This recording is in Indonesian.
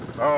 oh kan oke